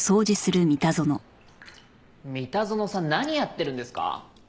三田園さん何やってるんですか？